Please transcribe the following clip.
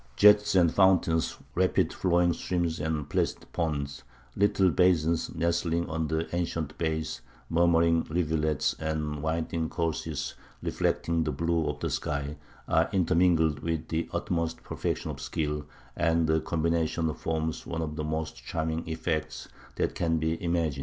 Jets and fountains, rapid flowing streams and placid ponds, little basins nestling under ancient bays, murmuring rivulets and winding courses reflecting the blue of the sky, are intermingled with the utmost perfection of skill, and the combination forms one of the most charming effects that can be imagined.